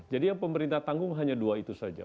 jadi yang pemerintah tanggung hanya dua itu saja